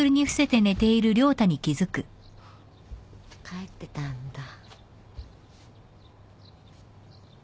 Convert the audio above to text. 帰ってたんだ。